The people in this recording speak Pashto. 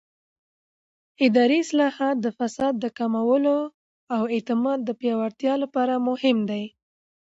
اداري اصلاحات د فساد د کمولو او اعتماد د پیاوړتیا لپاره مهم دي